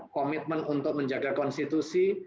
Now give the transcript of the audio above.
komitmen untuk menjaga konstitusi